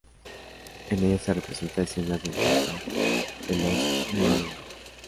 En ella se representan escenas del Cantar de los nibelungos.